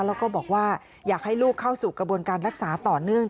แล้วก็บอกว่าอยากให้ลูกเข้าสู่กระบวนการรักษาต่อเนื่อง